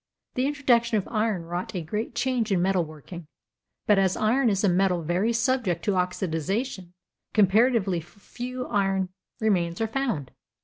The introduction of iron wrought a great change in metalworking, but, as iron is a metal very subject to oxidization, comparatively few early iron remains are found.